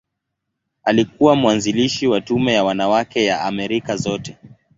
Alikuwa mwanzilishi wa Tume ya Wanawake ya Amerika Zote.